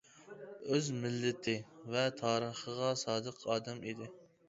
ئۆز مىللىتى ۋە تارىخىغا سادىق ئادەم ئىدى.